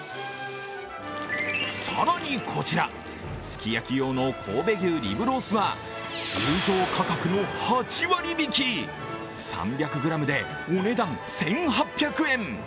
更にこちらすき焼き用の神戸牛リブロースは通常価格の８割引き、３００ｇでお値段１８００円。